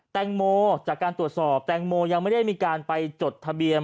แตงโมจากการตรวจสอบแตงโมยังไม่ได้มีการไปจดทะเบียน